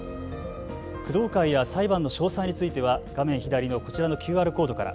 工藤会や裁判の詳細については画面左のこちらのＱＲコードから。